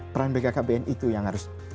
peran bkkbn itu yang harus